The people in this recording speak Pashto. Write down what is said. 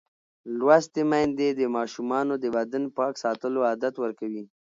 لوستې میندې د ماشومانو د بدن پاک ساتلو عادت ورکوي.